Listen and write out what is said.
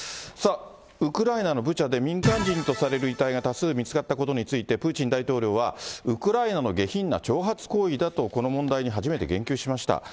さあ、ウクライナのブチャで民間人とされる遺体が多数見つかったことについて、プーチン大統領は、ウクライナの下品な挑発行為だと、この問題に初めて言及しました。